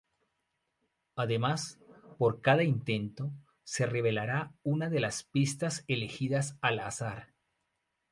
Además, por cada intento, se revelará una de las pistas elegidas al azar.